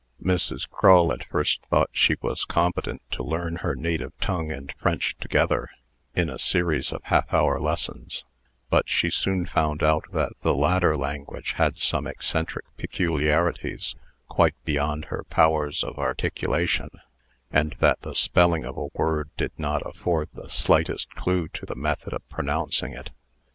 Mrs. Crull at first thought she was competent to learn her native tongue and French together, in a series of half hour lessons; but she soon found out that the latter language had some eccentric peculiarities quite beyond her powers of articulation, and that the spelling of a word did not afford the slightest clue to the method of pronouncing it.